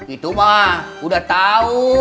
itu mah udah tau